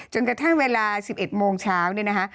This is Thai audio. จนกระทั่งเวลา๑๑โมงเช้าเนี่ยนะคะ